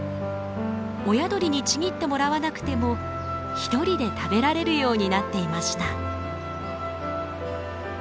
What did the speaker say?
親鳥にちぎってもらわなくてもひとりで食べられるようになっていました。